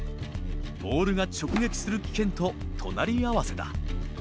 ボールが直撃する危険と隣り合わせだ。